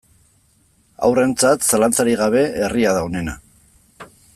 Haurrentzat, zalantzarik gabe, herria da onena.